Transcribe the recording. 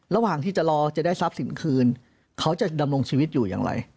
ระหว่างที่จะรอจะได้ทรัพย์สินคืนเขาจะดำรงชีวิตอยู่อย่างไร